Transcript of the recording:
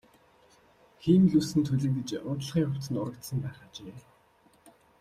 Хиймэл үс нь түлэгдэж унтлагын хувцас нь урагдсан байх ажээ.